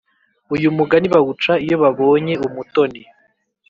uyu mugani bawuca iyo babonye umutoni